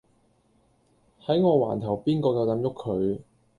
喺我環頭邊個夠膽喐佢